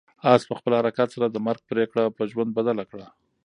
آس په خپل حرکت سره د مرګ پرېکړه په ژوند بدله کړه.